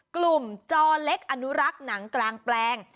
จอเล็กอนุรักษ์หนังกลางแปลง